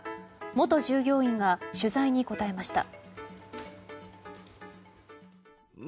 元従業員が取材に答えました。